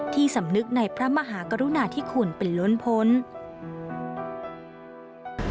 ที่สำนึกในพระมหากรุณาธิขุนเป็นล้นพนธุ์